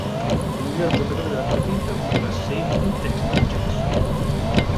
Miglior giocatore della partita fu la safety Dexter Jackson.